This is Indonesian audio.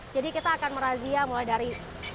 jadi kita akan merazia mulai dari